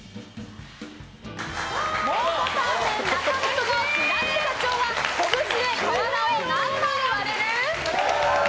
蒙古タンメン中本の白根社長は拳で瓦を何枚割れる？